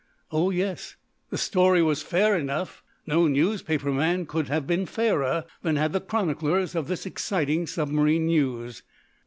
Oh, yes! The story was fair enough! No newspapermen could have been fairer than had the chroniclers of this exciting submarine news.